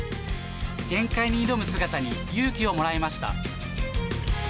限界に挑む姿に勇気をもらいました。